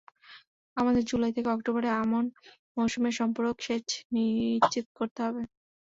আমাদের জুলাই থেকে অক্টোবরে আমন মৌসুমে সম্পূরক সেচ নিশ্চিত করতে হবে।